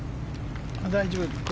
大丈夫。